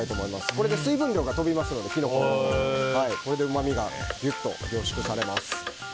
これで水分量が飛びますのでこれでうまみがギュッと凝縮されます。